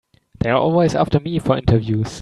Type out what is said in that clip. They're always after me for interviews.